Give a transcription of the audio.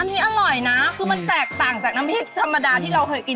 อันนี้อร่อยนะคือมันแตกต่างจากน้ำพริกธรรมดาที่เราเคยกิน